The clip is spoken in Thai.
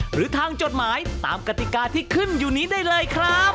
หรือทางจดหมายตามกติกาที่ขึ้นอยู่นี้ได้เลยครับ